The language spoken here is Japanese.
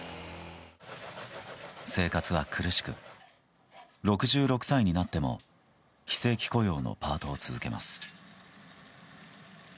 生活は苦しく、６６歳になっても非正規雇用のパートを続けます。